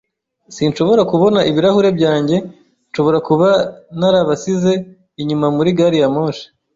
Sinshobora kubona ibirahure byanjye. Nshobora kuba narabasize inyuma muri gari ya moshi.